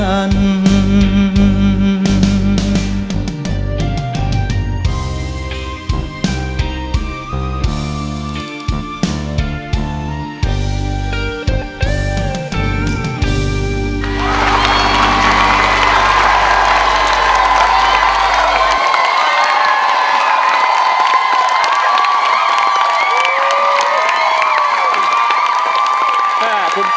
อายบ่อยก็แท้กัน